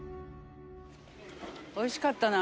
おいしかったな。